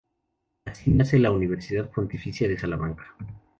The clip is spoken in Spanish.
Así nace la Universidad Pontificia de Salamanca.